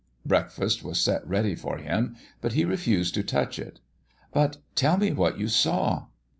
Breakfast was set ready for him, but he refused to touch it. "But tell me what you saw."